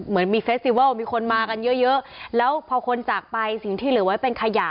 เหมือนมีเฟสติวัลมีคนมากันเยอะเยอะแล้วพอคนจากไปสิ่งที่เหลือไว้เป็นขยะ